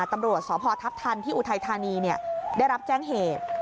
ตำรวจสพทัพทันที่อุทัยธานีได้รับแจ้งเหตุ